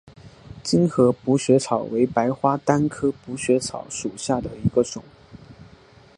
精河补血草为白花丹科补血草属下的一个种。